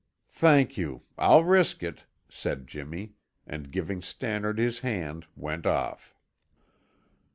"Thank you; I'll risk it," said Jimmy, and giving Stannard his hand, went off.